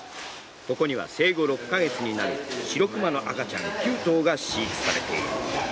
ここには生後６カ月になるシロクマの赤ちゃん９頭が飼育されている。